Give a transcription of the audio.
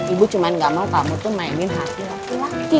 ibu cuma gak mau kamu pun mainin hati laki laki